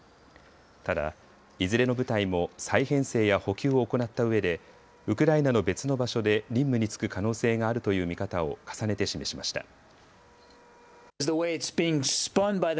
ただ、いずれの部隊も再編成や補給を行ったうえでウクライナの別の場所で任務に就く可能性があるという見方を重ねて示しました。